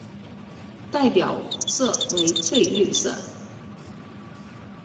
代表色为翠绿色。